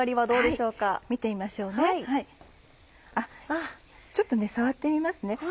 ちょっと触ってみますね。